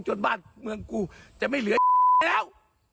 จะไม่เหลือเจ็บแล้ว